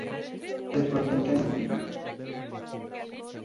Es bastante movida".